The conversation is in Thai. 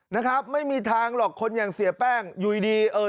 นะครับไม่มีทางหรอกคนอย่างเสียแป้งอยู่ดีเออ